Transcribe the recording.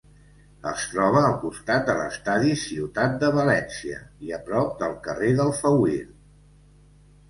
Es troba al costat de l'estadi Ciutat de València i a prop del carrer d'Alfauir.